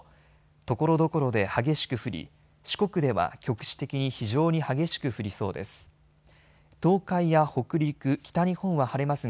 ところどころで激しく降り四国では局地的に非常に激しく降りそうです。